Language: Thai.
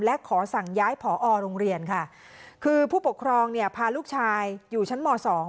และขอสั่งย้ายผอโรงเรียนค่ะคือผู้ปกครองเนี่ยพาลูกชายอยู่ชั้นม๒